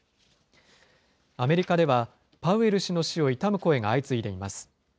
アメリカではパウエル氏の死を悼む声が相次いでいます。